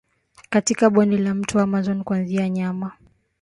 katika bonde la mto Amazon kuanzia nyani